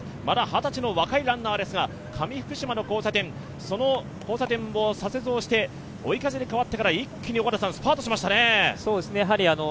まだ二十歳の若いランナーですが、上福島の交差点を左折して、追い風に変わってから一気にスパートしましたね。